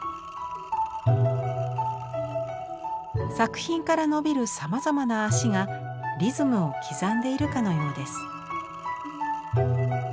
作品から伸びるさまざまな足がリズムを刻んでいるかのようです。